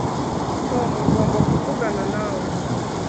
tom, ngomba kuvugana nawe